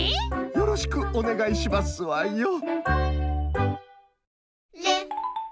よろしくおねがいしますわよ！